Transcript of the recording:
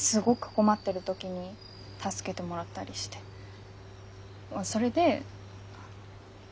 困ってる時に助けてもらったりしてそれで。